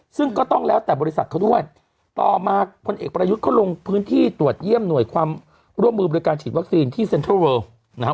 ซึ่งก็ต้องแล้วแต่บริษัทเขาด้วยต่อมาพลเอกประยุทธ์เขาลงพื้นที่ตรวจเยี่ยมหน่วยความร่วมมือบริการฉีดวัคซีนที่เซ็นทรัลเวิลนะฮะ